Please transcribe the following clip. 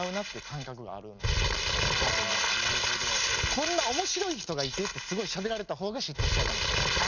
「こんな面白い人がいて」ってすごいしゃべられた方が嫉妬しちゃうかもしれないです。